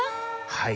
はい。